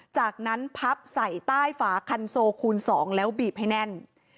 จากนั้นพับใส่ใต้ฝาคันโซคูณ๒แล้วบีบให้แน่น